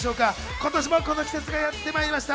今年もこの季節がやってまいりました。